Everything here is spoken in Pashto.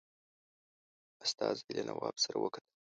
استازي له نواب سره وکتل.